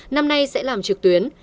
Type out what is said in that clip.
năm nay sẽ làm trực tuyến